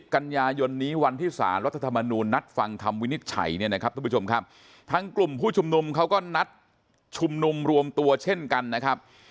๓๐กันยายนวันที่๓รัฐธรรมนูนนัดฟังคำวินิจฉัยทั้งกลุ่มผู้ชุมนุมเขาก็นัดชุมนุมรวมตัวเช่นกันนะครับ